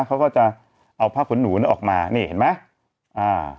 เขาก็จะเอาผ้าขนหนูนั้นออกมานี่เห็นไหมอ่า